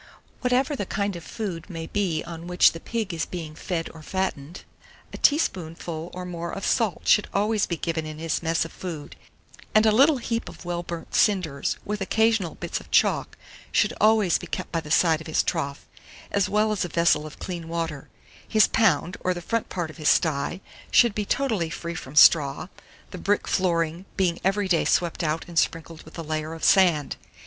Whatever the kind of food may be on which the pig is being fed or fattened, a teaspoonful or more of salt should always be given in his mess of food, and a little heap of well burnt cinders, with occasional bits of chalk, should always be kept by the side of his trough, as well as a vessel of clean water: his pound, or the front part of his sty, should be totally free from straw, the brick flooring being every day swept out and sprinkled with a layer of sand.